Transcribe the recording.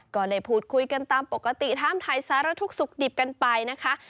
ก็ได้พูดคุยกันตามปกติถามถ่ายสารทุกข์สุขดิบกันไปนะคะ